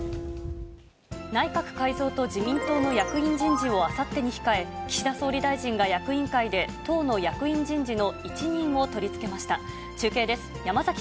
内閣改造と自民党の役員人事をあさってに控え、岸田総理大臣が役員会で党の役員人事の一任を取り付けました。